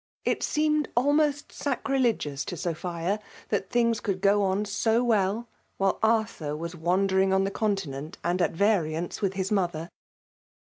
It seemed almost sacrir lege to Sophia, that things conld go on so well while Arthur was wandering on the Continent and at Tariance with her mother.